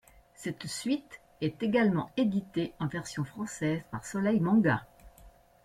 Cette suite est également éditée en version française par Soleil Manga.